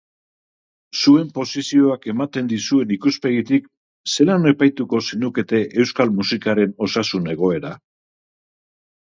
Zuen posizioak ematen dizuen ikuspegitik, zelan epaituko zenukete euskal musikaren osasun egoera?